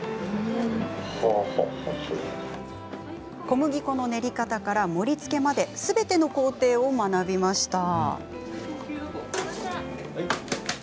小麦粉の練り方から盛りつけまですべての工程を学びました。